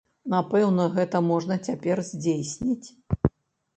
Напэўна, гэта можна цяпер здзейсніць.